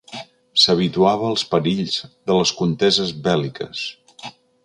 S'habituava als perills de les conteses bèl·liques.